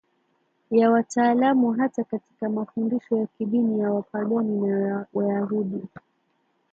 ya wataalamu hata katika mafundisho ya kidini ya Wapagani na Wayahudi